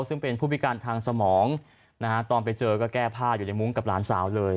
ซึ่งเป็นผู้พิการทางสมองนะฮะตอนไปเจอก็แก้ผ้าอยู่ในมุ้งกับหลานสาวเลย